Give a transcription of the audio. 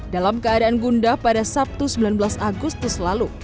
dalam keadaan gundah pada sabtu sembilan belas agustus lalu